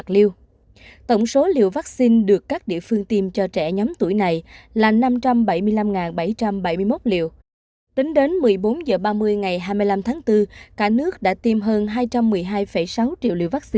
tổng số liều vaccine được các địa phương tiêm cho trẻ nhóm tuổi này là năm trăm bảy mươi năm bảy trăm bảy mươi một liều vaccine